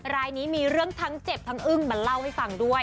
รายนี้มีเรื่องทั้งเจ็บทั้งอึ้งมาเล่าให้ฟังด้วย